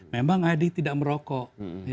memang aiding tidak merokok